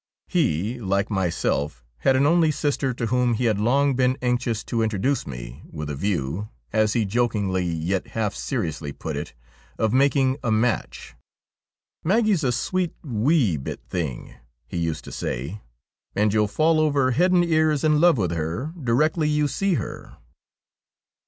He, like myself, had an only sister to whom he had long been anxious to introduce me, with a view, as he jokingly yet half seriously put it, ' of making a match.' ' Maggie's a sweet, wee bit thing,' he used to say, ' and you'll fall over head and ears in love with her directly you see her.'